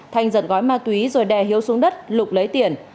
thanh giật gói ma túy rồi đè hiếu xuống đất lục lấy tiền